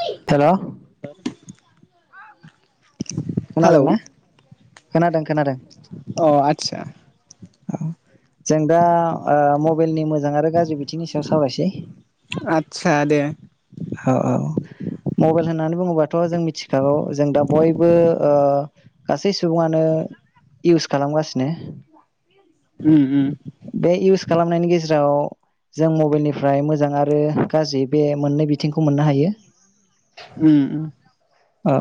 हेल' hello खोनादों ना अ खोनादों खोनादों आदसा औ जों दा ओ मबाइलनि मोज मोजां आरो गाज्रि बिथिंनि सायाव सावरायनोसै। आदसा दे औ औ मबाइल होननानै बुङोबाथ' जों मिथिखागौ जों दा बयबो ओ गासै सुबुङानो इउस खालामगासिनो। उम उम बे इउस खालामनायनि गेजेराव जों मबाइलनिफ्राय मोजां आरो गाज्रि बे मोननै बिथिंखौ मोननो हायो। उम उम औ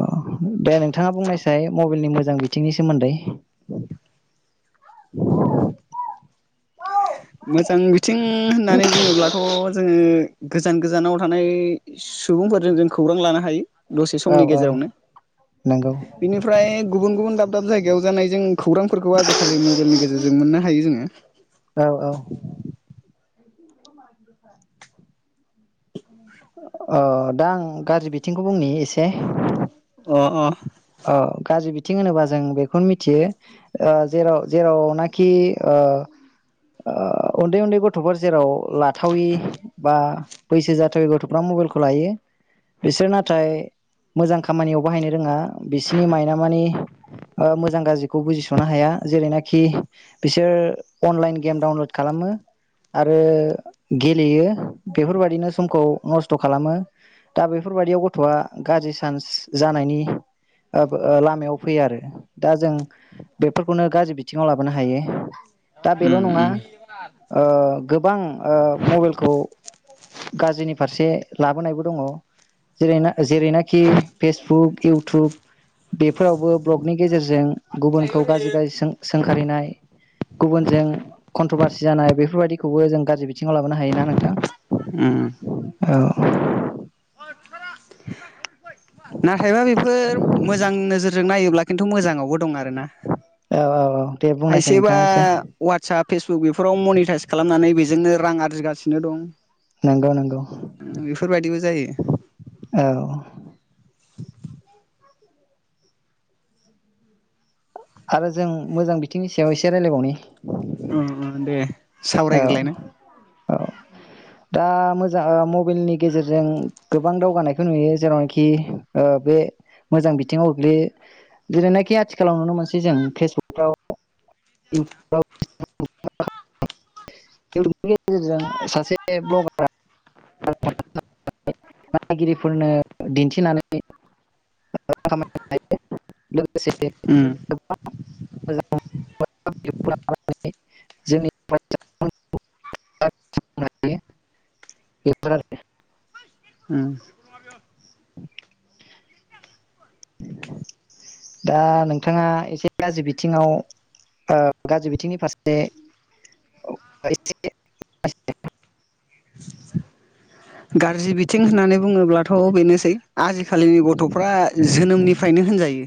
दे नोंथाङा बुंनायसाय मबाइलनि मोजां बिथिंनि सोमोन्दै। मोजां बिथिं होननानै बुङोब्लाथ' जोङो। गोजान गोजानाव थानाय सुबुंफोरजों जों खौरां लानो हायो। दसे औ समनि औ गेजेरावनो नंगौ बेनिफ्राय गुबुन गुबुन दाब दाब जायगायाव जानाय जों खौरांफोरखौ आजिखालि मबाइलनि गेजेरजों मोननो हायो जोङो। [inaudible] औ औ। अ दा आं गाज्रि बिथिंखौ बुंनि एसे। अ अ औ गाज्रि बिथिं होनोबा जों बेखौनो मिथियो ओ जेराव जेरावनाखि ओ ओ उन्दै उन्दै गथ'फोर जेराव लाथावि बा बैसो जाथावै गथ'फ्रा मबाइलखौ लायो बिसोरो नाथाय मोजां खामानियाव बाहायनो रोङा। बिसोरनि माइना माने ओ मोजां गाज्रिखौ बुजिस'नो हाया जेरैनाखि बिसोर अनलाइन गेम डाउनलड खालामो आरो गेलेयो बेफोरबायाददिनो समखौ नस्थ' खालामो दा बेफोरबायदियाव गथ'आ गाज्रि सान्स जानायनि आब आ लामायाव फैयो आरो दा जों बेफोरखौनो गाज्रि बिथिङाव लाबोनो हायो। दा बेल' उम नङा उम ओ गोबां ओ मबेइलखौ गाज्रिनि फारसे लाबोनायबो दङ जेरैना जेरैनाखि फेसबुक इउटुब बेफोरावबो ब्लगनि गेजेरजों गुबुनखौ गाज्रि गाज्रि सों-सोंखारिनाय गुबुनजों कन्ट्रभारसि जानाय बेफोरबायाददिखौबो जों गाज्रि बिथिङाव लाबोनो हायोना नोंथां। उम औ नाथायबा बेफोर मोजां नोजोरजों नायोब्ला खिन्थु मोजाङावबो दं आरोना। औ औ दे बुंनायसै खायसेबा नोंथाङा एसे वाटसाप फेसबुक बेफोराव। मनिटाइस खालामनानै बेजोंनो रां आरजिगासिनो दं। नंगौ नंगौ बेफोरबायदिबो जायो औ आरो जों मोजां बिथिंनि सायाव इसे रायलायबावनो उ उ दे सावरायग्रोलाय नों औ दा मोजा ओ मबेइलनि गेजेरजों गोबां दावगानायखौ नुयो जेरावनोखि ओ बे मोजां बिथिंङाव गोग्लैयो जेरैनाखि आथिखालाव नुनो मोनसै जों फेसबुकफ्राव इउतुब इउतुबनि गेजेरजों सासे भ्लगारा [inaudible] नायगिरिफोरनो दिन्थिनानै [inaudible] खामायनो हायो लोगो लोगोसे उम गोबां मोजां [unintelligible] उम दा नोंथाङा एसे गाज्रि बिथिङाव ओ गाज्रि बिथिंनि फारसे एसे [inaudible] गाज्रि बिथिं होननानै बुङोब्लाथ' बेनोसै आजिखालिनि गथ'फ्रा जोनोमनिफ्रायनो होनजायो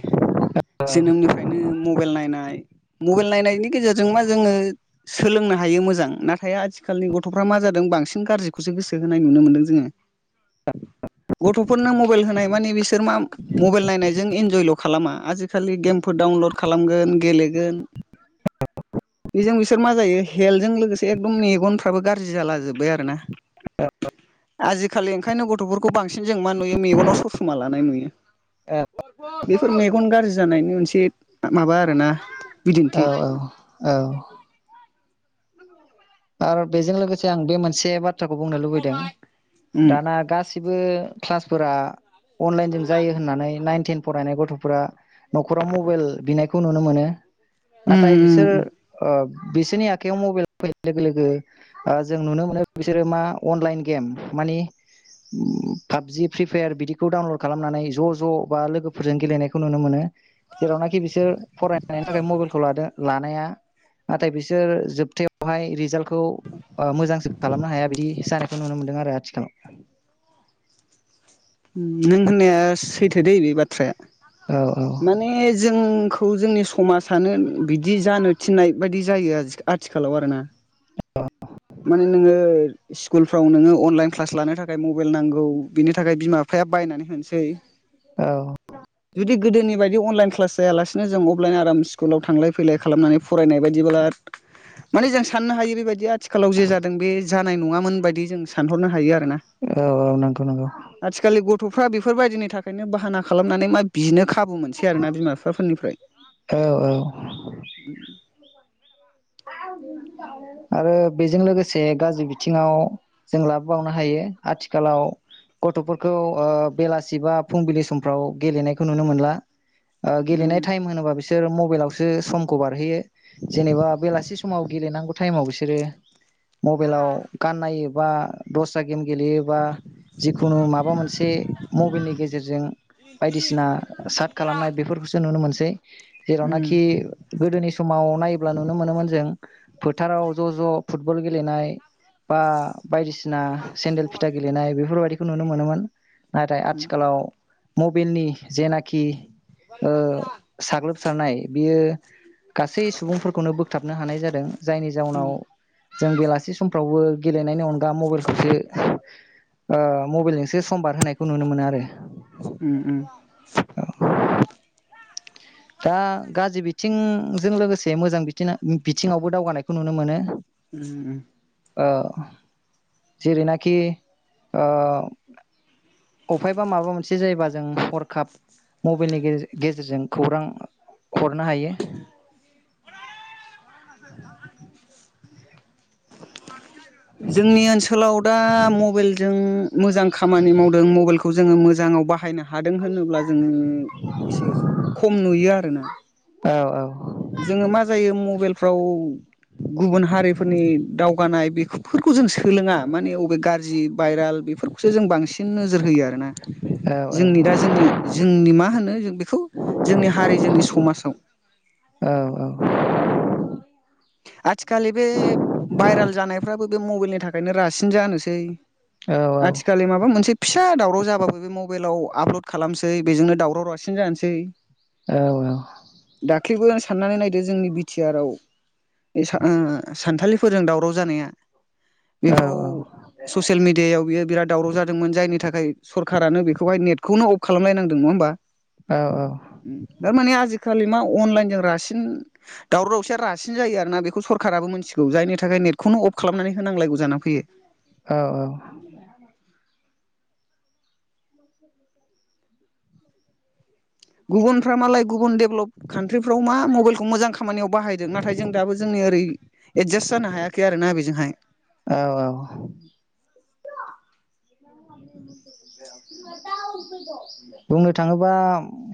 जोनोमनिफ्रायनो मबाइल नायनाय मबेल नायनायनि गेजेरजों मा जोङो सोलोंनो हायो मोजां नाथाय आथिखालनि गथ'फ्रा मा जादों बांसिन सिन‌ गाज्रिखौसो गोसो होनाय नुनो मोनदों जोङो। गथ'फोरनो मबेइल होनाय मानि बिसोर मा मबेइल नायनायजों इन्जयल' खालामा आजिखालि गेमफोर डाउनलड खालामगोन गेलेगोन बेजों बिसोर मा जायो हेल्थजों लोगोसे एकदम मेगनफ्राबो गाज्रि जाला [inaudible] आजिखालिओंखायनो गथ'फोरखौ बांसिन जों मा नुयो मेगनाव ससमा लानाय नुयो। औ बेफोर मेगन गाज्रि जानायनि मोनसे तिब माबा आरोना बिदिन्थि औ औ औ। आरो बेजों लोगोसे आं बे मोनसे बाथ थ्राखौ बुंनो लुबैदों उम दाना गास सिबो क्लासफोरा अनलाइन जों जायो होननानै नाइ टेन फरायनाय गथ'फोरा न'खराव मबेइल बिनाय खौ नुनो मोनो। नाथाय उम बिसोर उम ओ बिसोरनि आखाइयाव मबाइल फै लोगो लोगो जों नुनो मोनो बिसोरो मा अनलाइन गेम मानि पाबजि फ्रि फायार बिदिखौ डाउनलड खालामनानै ज' ज' बा लोगोफोरजों गेलेनायखौ नुनो मोनो जेरावनाखि बिसोर फरायनायनि थाखाय मबाइलखौ लादो। लानाया नाथाय बिसोर जोबथायाव बेावहाय रिजाल्टखौ मोजांसो खालामनो हाया बिदि जानायखौ नुनो मोनदों आरो आथिखालाव। नों होननाया सैथो दै बे बाथ्राया औ औ माने जों। खौ जोंनि समाजानो बिदि जानो थिननाय बायदि जायो आथिखालाव आरोना माने नोङो स्कुलफ्राव नोङो अनलाइन क्लास लानो थाखाय मबाइल नांगौ बिनि थाखाय बिमा बिफाया बायनानै होनो सै औ जुदि गोदोनि बायदि अनलाइन क्लास जायालासिनो जों अफलाइन आराम से कुलाव थांलाय फैलाय खालामनानै फरायनाय बायदिब्ला माने जों साननो हायो बेबायदि आरो आथिखालाव जे जादों बे जानाय नङामोन बायदि जों सानहरनो हायो आरो औ औ नंगौ नांगौ। आथिखालनि गथ'फ्रा बेफोरबायदिनि थाखायनो बाहाना खालामनानै मा बिनो खाबु मोनसै आरोना बिमा बिफाफोरनिफ्राय औ औ [unintelligible] आरो बेजों लोगोसे गाज्रि बिथिङाव जों लाबोबावनो हायो आथिखालाव गथ'फोरखौ बेलासि बा फुंबिलि समफ्राव गेलेनायखौ नुनो मोनला। गेलेनाय उम टाइम होनोबा बिस सोर मबाइलावसो समखौ बारहोयो जेनेबा बेलासि समाव गेलेनांगौ टाइमाव बिसोरो मबाइलाव गाननायो बा दस्रा- गेम गेलेयोबा जिखुनु माबा मोनसे मबलनि गेजेरजों बायदिसिना साट खालामनाय बेफोरखौसो नुनो मोनसै उम जेरावनाखि गोदोनि समाव नायोब नुनो मोनोन फोथाराव ज' ज' फुटबल गेलेनाय बा। बायदिसिना सेन्देल फिथा गेलेनाय बेफोरबायदि थ नुनो मोनोमोन नाथाय आथिखालाव मबाइलनि जेनाखि ओ साग्लोबसारनाय बियो गासै सुबुंफोरखौनो बोथाबनो हानाय जादों जायनि जाउनाव जों बेलासि समफ्रावबो नायनि अनगा मबाइलखौसो ओ मबाइल जोंसो समबार होनायखौ नुनो मोनो आरो [inaudible] उम उम उम दा गाज्रि बिथिंजों लोगोसे मोजां बिथि बिथिङावबो दावगानायखौ नुनो मोनो। उम ओ जेरैनाखि ओ अफायबा माबा मोनसे जायोबा जों हरखाब मबाइलनि गेजेर गेजेरजों खौरां हरनो हायो। जोंनि ओनसोलाव दा मबेलजों मोजां खामानि मावदों मबेलखौ खौ जोङो मोजाङाव बाहायनो हादों होनोब्ला जोङो एसे खम नुयो आरोना। [inaudible] औ औ जोंङो मा जायो मबेलफ्राव गुबुन हारिफोरनि दावगानाय बेफोरखौ जों सोलोङा माने अबे गाज्रि भाइराल बेफोरखौसो जों बांसिन नोजोर होयो आरोना औ जोंनि दा जोंनि जोंनि मा होनो बेखौ जोंनि हारि जोंनि समाजाव औ औ थि खालि बे भाइरेल जानायफ्राबो बे मबेलनि थाखायनो रासिन जानोसै। औ आथिखालि माबा मोनसे फिसा दावराव जाबाबो बे मबाइलाव आपलड खालामसै बेजोंनो दावराव रासिन जानसै। औ औ दाख्लैबो आं साननानै नायदो जोंनि बिटिआर आव बे सा ओ सानथालिफोरजों दावराव जानाया? बेफ्राव ससियेल मिडियायाव बियो बिराद दावराव जादोंमोन जायनि थाखाय सरखारानो बेखौहाय नेथखौनो अफ खालामलाय नांदों नङा होमबा? उम दा माने आज आजिखालि मा अनलाइनजों रासिन दावरावसिया रासिन जायो आरो ना बेखौ सरखाराबो मिथिगौ जायनि थाखाय नेटखौनो अफ खालामनानै होनांलायगौ जानानै फैयो। औ औ। गुबुनफ्रा मालाय गुबुन डेभलप कान्ट्रिफ्राव मा मबाइलखौ मोजां खामानियाव बाहायदों नाथाय जों दाबो जोंनि ओरै एडजास्ट जानो हायाखै आरोना बेजोंहाय। औ औ [inaudible] बुंनो थाङोबा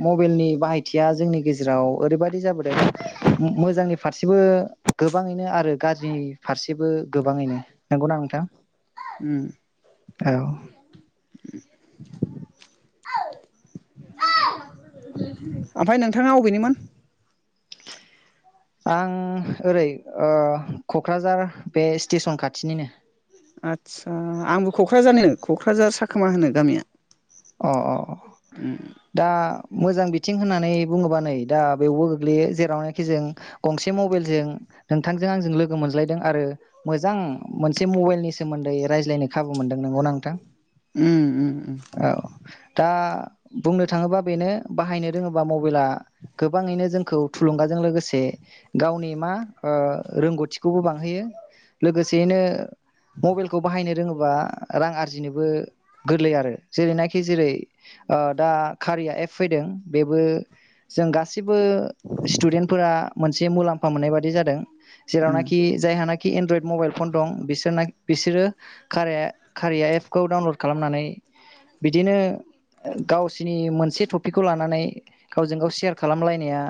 मबेलनि बाहायथिया जोंनि गेजेराव ओरैबादि जाबोदों मोजांनि फारसेबो गोबाङैनो आरो गाज्रि फारसेबो गोबाङैनो। नंगौना नोंथां? उम औ। [inaudible] ओमफाय नोंथाङा अबेनिमोन? आं ओरै ओ क'क्राझार बे स्टेसन खाथिनिनो। आदसा आंबो क'क्राझारनि क'क्राझार साखोमा होनो गामिया अ अ अ। उम दा मोजां बिथिं होननानै बुंङोबा नै दा बेवबो गोग्लैयो जेरावनाखि जों गंसे मबाइलजों नोंथांजों आंजों लोगो मोनज्लायदों आरो मोजां मोनसे मबाइलनि सोमोन्दै रायज्लायनो खाबु मोनदों नंगौना नोंथां उम उम औ दा बुंनो थांङोबा बेनो बाहायनो रोंङोबा मबाइला गोबांङैनो जोंखौ थुलुंगाजों लोगोसे गावनि मा ओ रोंगौथिखौबो बांहोयो लोगोसेयैनो मबाइलखौ बाहायनो रोंङोबा रां आरजिनोबो गोरलै आरो। जेरैनाखि जेरै ओ दा कारिया एप फैदों बेबो जों गासै जेब्बो स्टुदेन्टफोरा मोनसे मुलाम्फा मोननाय बादि जादों। उम जेरावनाखि जायहा नाखि एनड्रयड मबाइल फन दं बिसोरना बिसोरो खारिया एपखौ डाउनलड खालामनानै बिदिनो गावसिनि मोनसे टपिकखौ लानानै गावजों गाव सेयार खालामलायनाया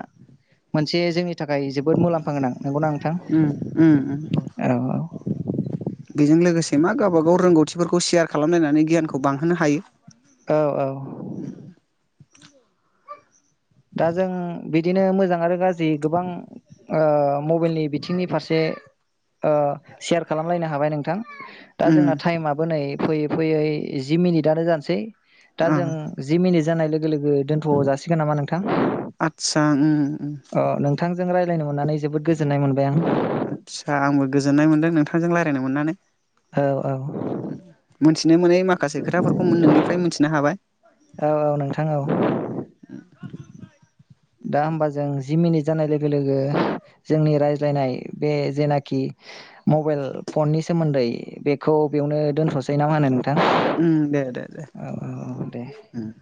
मोनसे जोंनि थाखाय जोबोद मुलाम्फा गोनां नंगौना नों उम उम बेजों लोगोसे मा गावबा गाव रोंगौथिफोरखौ सेयार खालामलायनानै गियानखौ बांहोनो हायो औ औ दा जों बिदिनो मोजां आरो गाज्रि जि गोबां ओ मबाइलनि बिथिंनि फारसे ओ सेयार खालामलायनो हाबाय नोंथां दा उम जोंना टाइमाबो नै फैयै फैयै जि मिनिटानो जानोसै दा ओ जों जि मिनि जानाय लोगो लोगो दोनथ' जासिगोन नोंथां आदसा उम उम अ नोंथांजों राय रायलायनो मोननानै जोबोद गोजोननाय मोनबाय आं आदसा आंबो गोजोननाय मोनदों नोंथांजों रायज्लायनो मोननानै औ औ उम मोनथिनो मोनै माखासे खोथाफोरखौ नोंनिफ्राय मोनथिनो हाबाय। [inaudible] औ औ नोंथां औ दा होनबा जों जि मिनिट जानाय लोगो लोगो जोंनि रायज्लायनाय बे जेनाखि मबाइल फननि सोमोन्दै बेखौ बेयावनो दोनथ'सै नामा नों उम दे दे दे औ दे। उम।